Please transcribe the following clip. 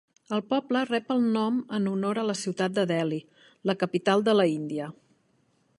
El poble rep el nom en honor a la ciutat de Delhi, la capital de l'Índia.